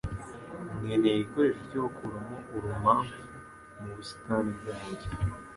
Nkeneye igikoresho cyo gukuramo urumamfu mu busitani bwanjye.